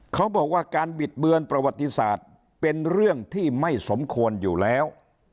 เขาบอกว่าการบิดเบือนประวัติศาสตร์เป็นเรื่องที่ไม่สมควรอยู่แล้ว